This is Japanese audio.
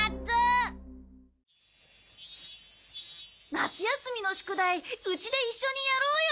夏休みの宿題うちで一緒にやろうよ！